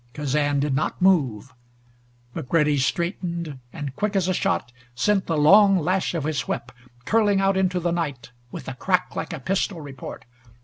Kazan did not move. McCready straightened, and quick as a shot sent the long lash of his whip curling out into the night with a crack like a pistol report.